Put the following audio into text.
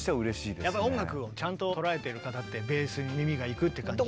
やっぱり音楽をちゃんと捉えてる方ってベースに耳がいくっていう感じだと。